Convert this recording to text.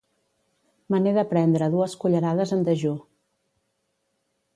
Me n'he de prendre dues cullerades en dejú.